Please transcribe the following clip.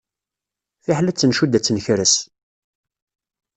Fiḥel ad tt-ncudd ad tt-nkres.